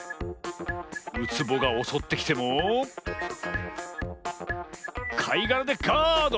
ウツボがおそってきてもかいがらでガード！